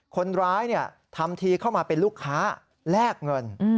คนร้ายทำทีเข้ามาเป็นลูกค้าแลกเงิน